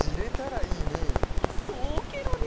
そうケロね！